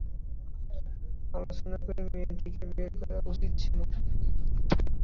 আলোচনা করে মেয়েটিকে বের করা উচিত ছিলো।